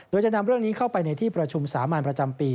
โดยจะนำเรื่องนี้เข้าไปในที่ประชุมสามัญประจำปี